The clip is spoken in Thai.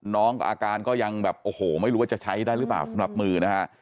น้องอาการก็ยังแบบโอ้โหไม่รู้ว่าจะใช้ได้หรือเปล่าสำหรับมือนะฮะ